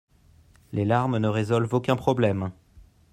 Les larmes ne résolvent aucun problème.